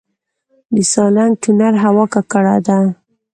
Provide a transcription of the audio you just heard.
د سالنګ تونل هوا ککړه ده